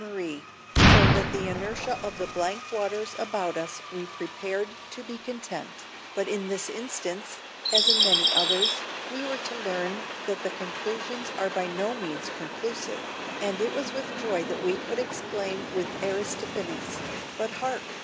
Mary, so with the inertia of the blank waters about us we prepared to be content, but in this instance, as in many others, we were to learn that conclusions are by no means conclusive, and it was with joy that we could exclaim with Aristophanes: "But hark!